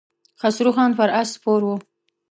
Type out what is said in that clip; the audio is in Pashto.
خسرو خان پر آس سپور و.